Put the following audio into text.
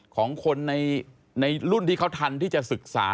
ของคนในรุ่นที่เขาทันที่จะศึกษา